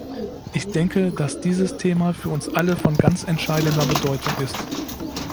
Ich denke, dass dieses Thema für uns alle von ganz entscheidender Bedeutung ist.